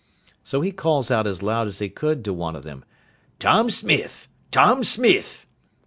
So he calls out as loud as he could to one of them, "Tom Smith! Tom Smith!"